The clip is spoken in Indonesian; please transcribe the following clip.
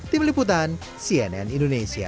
tim liputan cnn indonesia